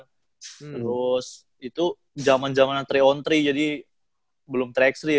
terus itu jaman jaman yang tiga on tiga jadi belum track tiga ya